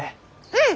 うん！